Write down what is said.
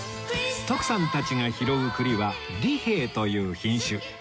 徳さんたちが拾う栗は利平という品種